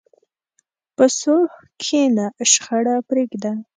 په صلح کښېنه، شخړه پرېږده.